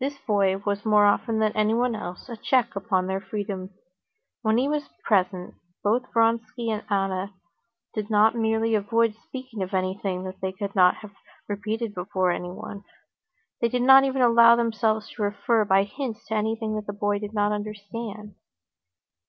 This boy was more often than anyone else a check upon their freedom. When he was present, both Vronsky and Anna did not merely avoid speaking of anything that they could not have repeated before everyone; they did not even allow themselves to refer by hints to anything the boy did not understand.